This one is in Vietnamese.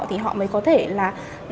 thì họ mới có thể là